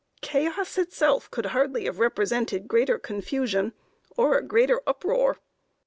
"Chaos itself could hardly have represented greater confusion, or a greater uproar.